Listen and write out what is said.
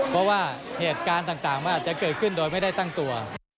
เพราะว่าเหตุการณ์ต่างมันอาจจะเกิดขึ้นโดยไม่ได้ตั้งตัว